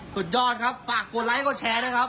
สุดยอดครับฝากกดไลค์กดแชร์ด้วยครับ